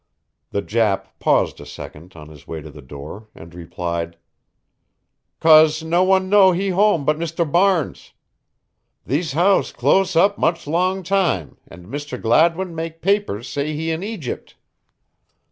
The Jap paused a second on his way to the door, and replied: "'Cause no one know he home but Mr. Barnes. Thees house close up much long time and Mr. Gladwin make papers say he in Egypt."